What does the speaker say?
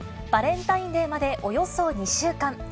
バレンタインデーまでおよそ２週間。